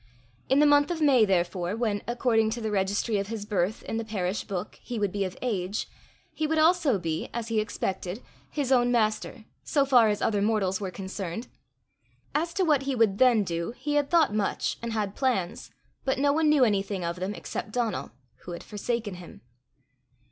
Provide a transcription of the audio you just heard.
In the month of May, therefore, when, according to the registry of his birth in the parish book, he would be of age, he would also be, as he expected, his own master, so far as other mortals were concerned. As to what he would then do, he had thought much, and had plans, but no one knew anything of them except Donal who had forsaken him.